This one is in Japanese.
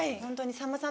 さんまさん。